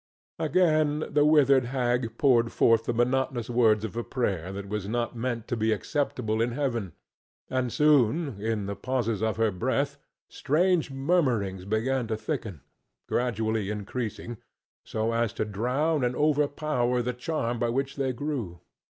Again the withered hag poured forth the monotonous words of a prayer that was not meant to be acceptable in heaven, and soon in the pauses of her breath strange murmurings began to thicken, gradually increasing, so as to drown and overpower the charm by which they grew.